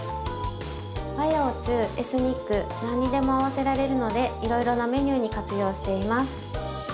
和洋中エスニック何にでも合わせられるのでいろいろなメニューに活用しています。